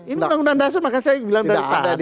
ini undang undang dasar maka saya bilang tadi